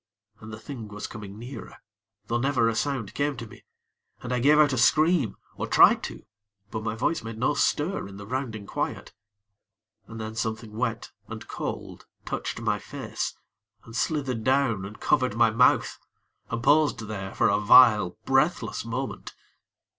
And the thing was coming nearer, though never a sound came to me, and I gave out a scream, or tried to; but my voice made no stir in the rounding quiet; and then something wet and cold touched my face, and slithered down and covered my mouth, and paused there for a vile, breathless moment.